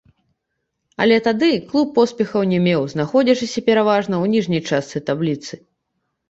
Але тады клуб поспехаў не меў, знаходзячыся пераважна ў ніжняй частцы табліцы.